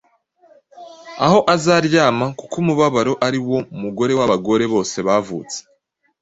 aho azaryama, kuko umubabaro ari wo mugore w'abagore bose bavutse: